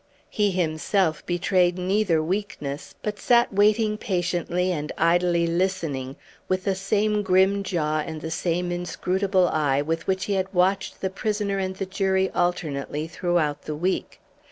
He himself betrayed neither weakness, but sat waiting patiently and idly listening, with the same grim jaw and the same inscrutable eye with which he had watched the prisoner and the jury alternately throughout the week.